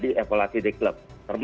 ini juga akan merugikan klub sendiri